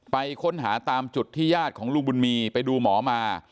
ไปค้นหาตามจุดที่ญาติของลุงบุญมีไปดูหมอมา